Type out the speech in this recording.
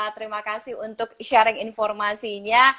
terima kasih untuk sharing informasinya